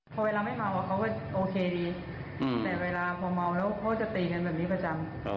พอเวลาไม่เมาเขาก็โอเคดีแต่เวลาพอเมาแล้วเขาจะตีกันแบบนี้ประจำ